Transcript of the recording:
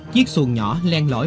chiếc xuồng nhỏ len lỗi